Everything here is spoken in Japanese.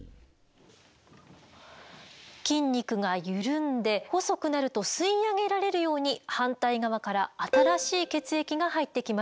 筋肉が緩んで細くなると吸い上げられるように反対側から新しい血液が入ってきます。